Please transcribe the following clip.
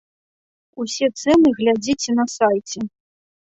Усе цэны глядзіце на сайце.